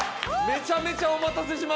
めちゃめちゃお待たせしました。